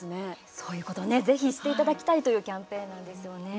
そういうことをぜひ知っていただきたいというキャンペーンなんですよね。